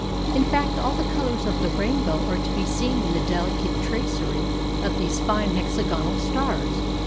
In fact, all the colours of the rainbow are to be seen in the delicate tracery of these fine hexagonal stars.